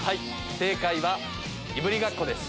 正解はいぶりがっこです。